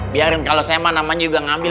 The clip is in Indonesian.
biarin kalau saya mah namanya juga ngambil